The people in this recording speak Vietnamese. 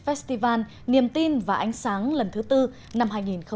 festival niềm tin và ánh sáng lần thứ tư năm hai nghìn một mươi chín